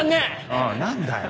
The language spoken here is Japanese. おお何だよ。